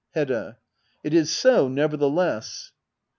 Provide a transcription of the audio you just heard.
Hedda. It is so, nevertheless.